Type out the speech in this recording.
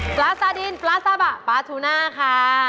ปลาซาดินปลาซาบะปลาทูน่าค่ะ